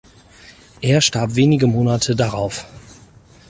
Er starb wenige Monate darauf.